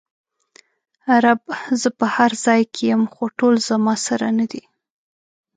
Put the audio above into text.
رب: زه په هر ځای کې ېم خو ټول زما سره ندي!